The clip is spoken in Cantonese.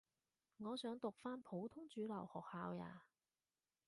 我想讀返普通主流學校呀